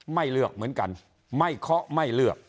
ไม่เลือกเหมือนกันไม่เคาะไม่เลือก